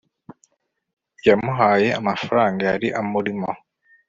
yamuhaye amafaranga yari amurimo